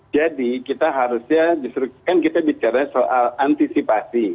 jadi kita harusnya kan kita bicara soal antisipasi